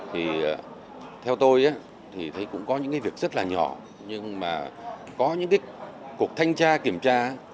thì theo tôi thì cũng có những việc rất là nhỏ nhưng mà có những cuộc thanh tra kiểm tra